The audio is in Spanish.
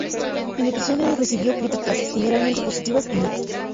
El episodio recibió críticas generalmente positivas y mixto.